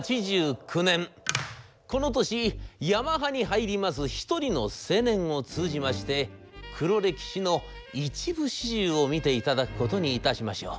「この年ヤマハに入ります一人の青年を通じまして黒歴史の一部始終を見て頂くことにいたしましょう。